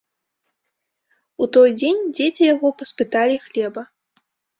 У той дзень дзеці яго паспыталі хлеба.